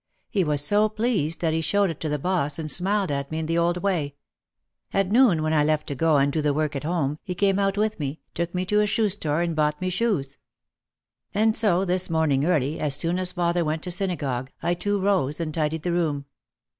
He was so pleased that he showed it to the boss and smiled at me in the old way. At noon when I left to go and do the work at home, he came out with me, took me to a shoe store and bought me shoes. And so this morning early, as soon as father went to synagogue, I too rose and tidied the room.